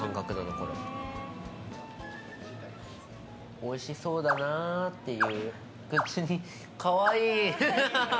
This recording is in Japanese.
おいしそうだなっていう。